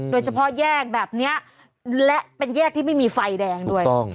โดยเฉพาะแยกแบบนี้และเป็นแยกที่ไม่มีไฟแดงด้วย